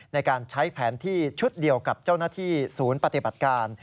ในการใช้แผนที่ชุดเดียวกับเจ้าหน้าที่ศูนย์ปฏิบัติการ